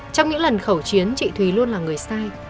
trong những lần khẩu chiến chị thùy luôn là người sai